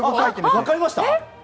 分かりました！